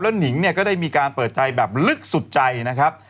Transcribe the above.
หนิงเนี่ยก็ได้มีการเปิดใจแบบลึกสุดใจนะครับ